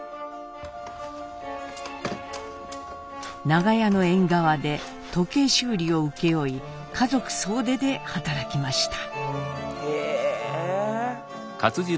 長屋の縁側で時計修理を請け負い家族総出で働きました。